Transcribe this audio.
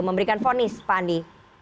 memberikan fonis pak andi